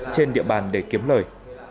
trên địa bàn để kiếm lời